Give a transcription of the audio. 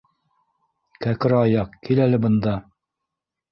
— Кәкре аяҡ, кил әле бында.